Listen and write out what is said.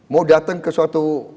mau datang ke suatu